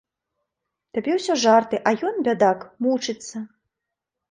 Табе ўсё жарты, а ён, бядак, мучыцца.